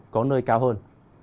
có nơi cao hơn